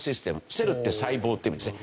「セル」って細胞っていう意味ですね。